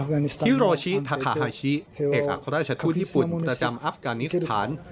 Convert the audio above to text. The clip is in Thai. ฮิโรชิทาคาฮาชิเอกอัครราชทูตญี่ปุ่นประจำอัฟกานิสถาน